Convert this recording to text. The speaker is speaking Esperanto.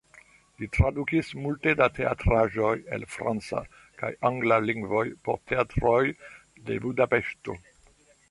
Li tradukis multe da teatraĵoj el franca kaj angla lingvoj por teatroj de Budapeŝto.